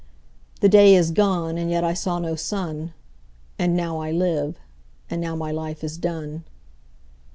5The day is gone and yet I saw no sun,6And now I live, and now my life is done.